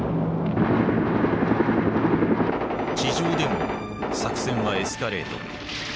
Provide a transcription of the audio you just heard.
地上でも作戦はエスカレート。